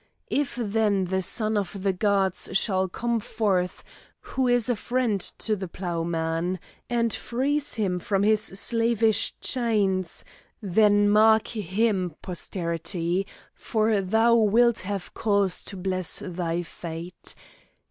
If then the son of the gods shall come forth, who is a friend to the ploughman, and frees him from his slavish chains then mark him, posterity, for thou wilt have cause to bless thy fate.